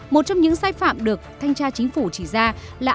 một trong những sai phạm được thanh tra chính phủ chỉ ra là